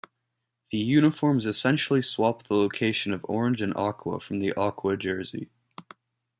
The uniforms essentially swapped the location of orange and aqua from the aqua jersey.